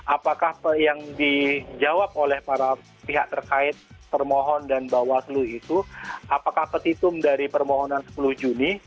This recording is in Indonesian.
apakah yang dijawab oleh para pihak terkait termohon dan bawaslu itu apakah petitum dari permohonan sepuluh juni